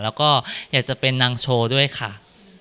แล้วก็อยากจะเป็นนางโชว์ด้วยค่ะ